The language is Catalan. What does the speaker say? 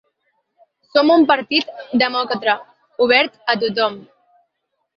Som un partit demòcrata, obert a tot.